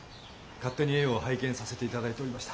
勝手に絵を拝見させて頂いておりました。